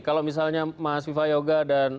kalau misalnya mas viva yoga dan